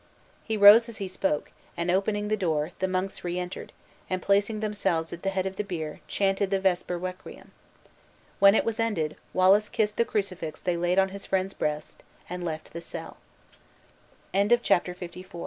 He rose as he spoke, and opening the door, the monks re entered, and placing themselves at the head of the bier, chanted the vesper requiem. When it was ended, Wallace kissed the crucifix they laid on his friend's breast, and left the cell. Chapter LV. Church of Falkirk.